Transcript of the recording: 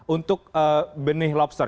untuk benih lobster